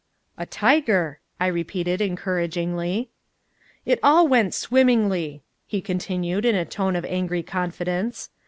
"A tiger," I repeated encouragingly. "It all went swimmingly," he continued in a tone of angry confidence.